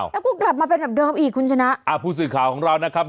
แล้วก็กลับมาเป็นแบบเดิมอีกคุณชนะอ่าผู้สื่อข่าวของเรานะครับ